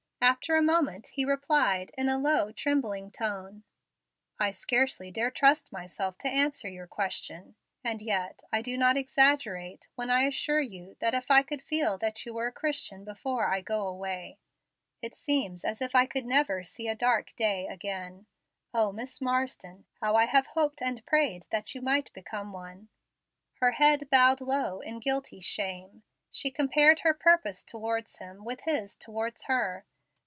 After a moment, he replied, in a low, trembling tone: "I scarcely dare trust myself to answer your question, and yet I do not exaggerate when I assure you that if I could feel that you were a Christian before I go away, it seems as if I could never see a dark day again. O Miss Marsden, how I have hoped and prayed that you might become one!" Her head bowed low in guilty shame. She compared her purpose towards him with his towards her.